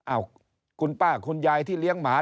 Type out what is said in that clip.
อ้าวคุณป้าคุณยายที่เลี้ยงหมา